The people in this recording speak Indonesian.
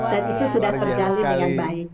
dan itu sudah terjadi dengan baik